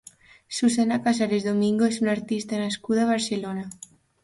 Susana Casares Domingo és una artista nascuda a Barcelona.